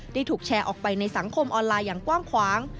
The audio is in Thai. ถูกแชร์ออกไปในสังคมออนไลน์อย่างกว้างขวาง